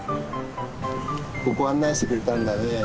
ここを案内してくれたんだね。